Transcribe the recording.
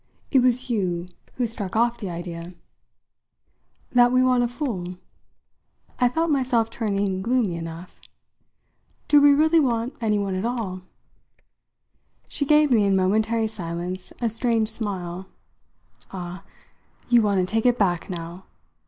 It was you who struck off the idea." "That we want a fool?" I felt myself turning gloomy enough. "Do we really want anyone at all?" She gave me, in momentary silence, a strange smile. "Ah, you want to take it back now?